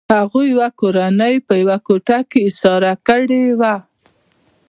هغوی یوه کورنۍ په یوه کوټه کې ایساره کړې وه